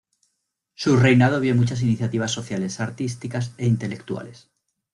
Su reinado vio muchas iniciativas sociales, artísticas e intelectuales.